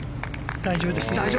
大丈夫ですね。